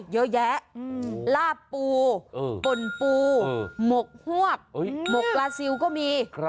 เยอะแยะลาบปูป่นปูหมกฮวกหมกปลาซิลก็มี